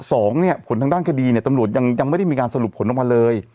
สองเนี่ยผลทางด้านคดีเนี่ยตำรวจยังไม่ได้มีการสรุปผลออกมาเลย